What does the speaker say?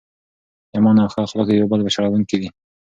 ایمان او ښه اخلاق د یو بل بشپړونکي دي.